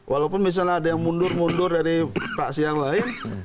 walaupun misalnya ada yang mundur mundur dari fraksi yang lain